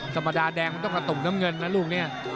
สัมบาดาดแดงต้องกระตุ่มน้ำเงินนะลูกนี่